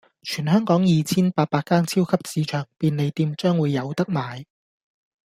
全香港二千八百間超級市場、便利店將會有得賣